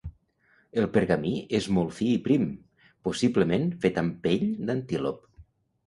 El pergamí és molt fi i prim; possiblement fet amb pell d'antílop.